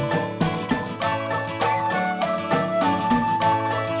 kamu guna pakai kredit baum sos